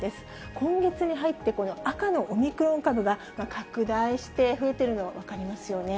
今月に入って、この赤のオミクロン株が拡大して増えているのが分かりますよね。